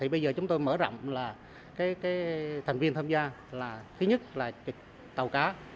bây giờ chúng tôi mở rộng là thành viên tham gia là thứ nhất là tàu cá